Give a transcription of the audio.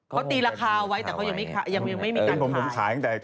เขาตีราคาเอาไว้แต่เขายังไม่มีการขาย